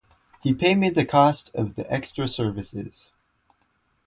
He paid me the cost of the extra services.